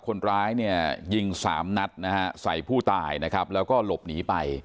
คนร้ายเนี่ยยิงสามนัดนะฮะใส่ผู้ตายนะครับแล้วก็หลบหนีไป